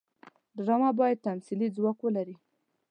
ډرامه باید تمثیلي ځواک ولري